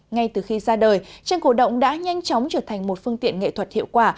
ngay từ khi ra đời tranh cổ động đã nhanh chóng trở thành một phương tiện nghệ thuật hiệu quả